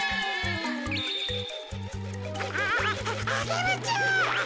ああアゲルちゃん。